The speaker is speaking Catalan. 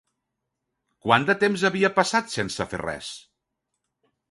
Quant de temps havia passat sense fer res?